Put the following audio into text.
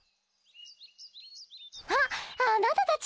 あっあなたたち！